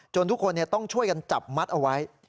ทุกคนต้องช่วยกันจับมัดเอาไว้